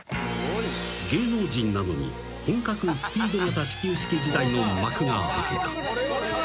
［芸能人なのに本格スピード型始球式時代の幕が開けた］